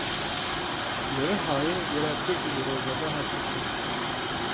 Li Rihayê welatiyekî ji Rojava hat girtin.